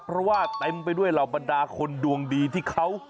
เพราะว่าเต็มไปด้วยเหล่าบรรดาคนดวงดีที่เขา